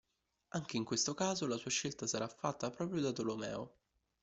Anche in questo caso la sua scelta sarà fatta propria da Tolomeo.